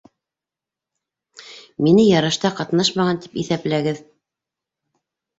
- Мине ярышта ҡатнашмаған тип иҫәпләгеҙ!